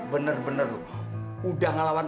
bener bener nuk udah ngelawan